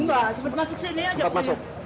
enggak sempat masuk sini aja